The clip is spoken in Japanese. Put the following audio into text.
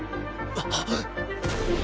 あっ！